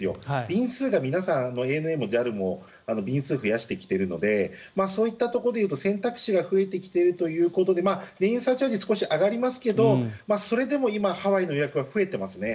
便数がＡＮＡもＪＡＬも便数を増やしてきていますのでそういったところでいうと選択肢が増えてきているということで燃油サーチャージ上がりますがそれでも今、ハワイの予約は増えていますね。